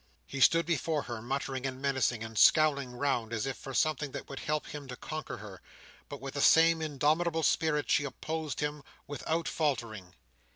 He stood before her, muttering and menacing, and scowling round as if for something that would help him to conquer her; but with the same indomitable spirit she opposed him, without faltering.